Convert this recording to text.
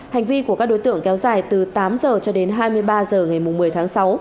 hành vi của các đối tượng kéo dài từ tám h cho đến hai mươi ba h ngày một mươi tháng sáu